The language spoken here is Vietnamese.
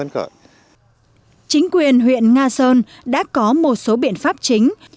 chính quyền huyện nga sơn đã có một số biện pháp chính